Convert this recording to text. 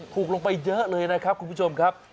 ถูกลงไปเยอะเลยนะครับคุณผู้ชมครับ